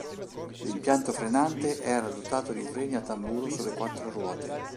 L'impianto frenante era dotato di freni a tamburo sulle quattro ruote.